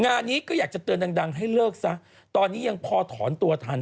งานนี้ก็อยากจะเตือนดังให้เลิกซะตอนนี้ยังพอถอนตัวทัน